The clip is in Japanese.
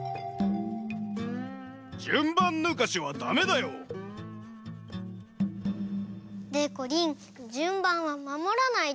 じゅんばんぬかしはだめだよ！でこりんじゅんばんはまもらないと。